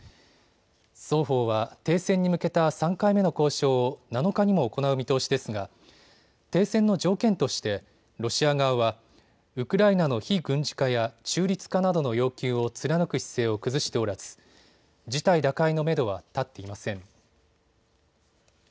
双方は停戦に向けた３回目の交渉を７日にも行う見通しですが停戦の条件としてロシア側はウクライナの非軍事化や中立化などの要求を貫く姿勢を崩しておらず、事態打開のめどは立っていません。